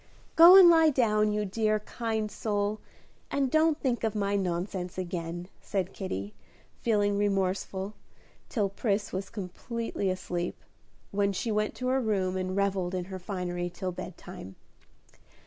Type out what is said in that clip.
"Go and lie down, you dear, kind soul, and don't think of my nonsense again," said Kitty, feeling remorseful, till Pris was comfortably asleep, when she went to her room and revelled in her finery till bedtime.